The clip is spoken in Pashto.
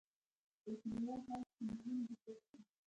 خو د كليوالو حال چې مې ولېد پوه سوم.